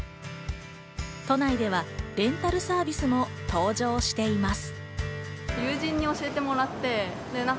都内ではレンタルサービスも登場しています。